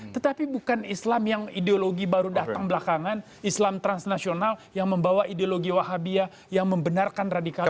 tetapi bukan islam yang ideologi baru datang belakangan islam transnasional yang membawa ideologi wahabia yang membenarkan radikalisme